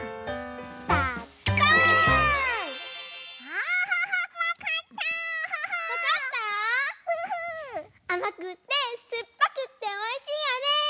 あまくってすっぱくっておいしいよね！